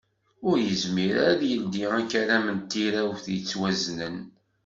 Ur yezmir ara ad d-yeldi akaram n tirawt yettwaznen.